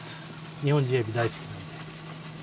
日本人エビ大好きなので。